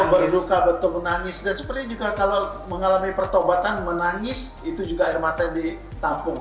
berduka betul menangis dan sepertinya juga kalau mengalami pertobatan menangis itu juga air mata yang ditampung